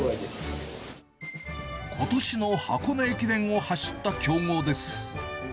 ことしの箱根駅伝を走った強豪です。